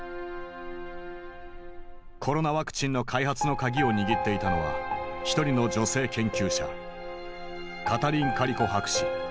コロナワクチンの開発の鍵を握っていたのは一人の女性研究者カタリン・カリコ博士。